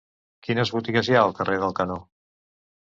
Quines botigues hi ha al carrer del Canó?